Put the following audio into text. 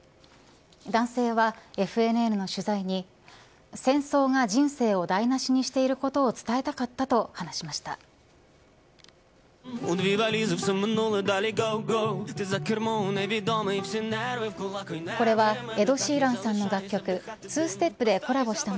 男性はＦＮＮの取材に戦争が人生を台無しにしていることを伝えたかったと話しました。